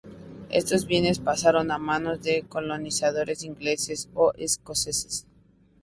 Estos bienes pasaron a manos de colonizadores ingleses o escoceses.